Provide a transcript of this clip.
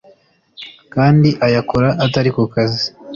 Kandi Ayakora Atari Ku Kazi